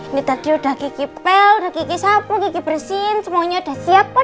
ini tadi udah kiki pel udah kiki sapu kiki bersihin semuanya udah siap pak